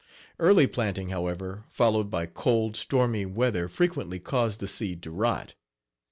Early planting, however, followed by cold, stormy weather frequently caused the seed to rot.